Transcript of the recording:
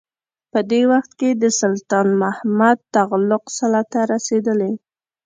په دې وخت کې د سلطان محمد تغلق سلطه رسېدلې.